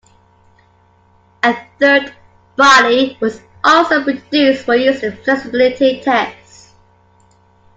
A third body was also produced for use in flexibility tests.